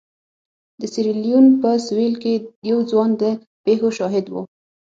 د سیریلیون په سوېل کې یو ځوان د پېښو شاهد و.